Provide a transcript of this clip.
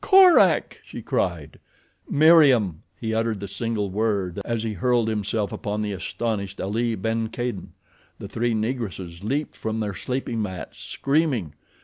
"Korak!" she cried. "Meriem!" He uttered the single word as he hurled himself upon the astonished Ali ben Kadin. The three Negresses leaped from their sleeping mats, screaming.